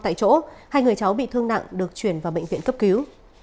tại chỗ hai người cháu bị thương nặng được chuyển vào bệnh viện cấp cứu